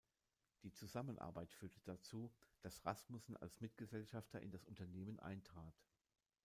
Die Zusammenarbeit führte dazu, dass Rasmussen als Mitgesellschafter in das Unternehmen eintrat.